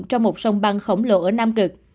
trong một sông băng khổng lồ ở nam cực